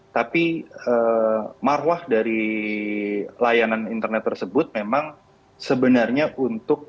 tapi marwah dari layanan internet tersebut memang sebenarnya untuk